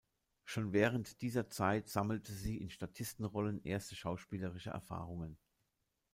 Schon während dieser Zeit sammelte sie in Statistenrollen erste schauspielerische Erfahrungen.